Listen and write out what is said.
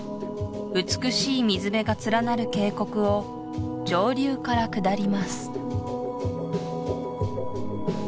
美しい水辺が連なる渓谷を上流から下ります